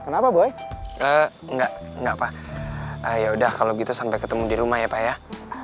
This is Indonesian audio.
nggak nggak pa ya udah kalau gitu sampai ketemu dirumah ya kayak